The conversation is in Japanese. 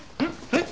えっ？